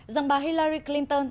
rằng bà hillary clinton